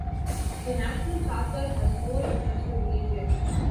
The National Charter has no reference to religion.